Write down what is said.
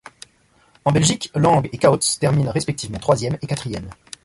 En Belgique, Lang et Kautz terminent respectivement troisième et quatrième.